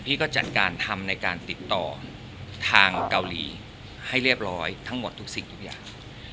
ก็จัดการทำในการติดต่อทางเกาหลีให้เรียบร้อยทั้งหมดทุกสิ่งทุกอย่าง